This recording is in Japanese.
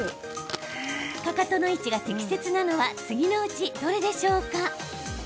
かかとの位置が適切なのは次のうち、どれでしょうか？